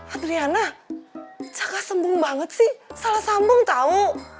adriana jaga sembung banget sih salah sambung tau